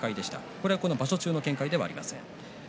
これは場所中の見解ではありません。